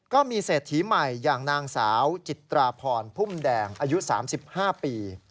ก็มีเศรษฐีใหม่อย่างนางสาวจิตราพรพุ่มแดงอายุ๓๕ปี